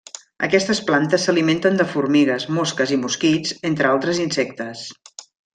Aquestes plantes s'alimenten de formigues, mosques i mosquits, entre altres insectes.